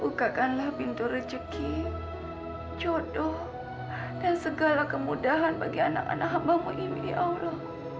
bukakanlah pintu rezeki jodoh dan segala kemudahan bagi anak anak hambamu ini ya allah